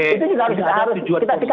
itu tidak ada tujuan politik